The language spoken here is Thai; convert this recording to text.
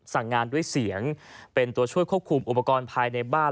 สั่งงานด้วยเสียงเป็นตัวช่วยควบคุมอุปกรณ์ภายในบ้าน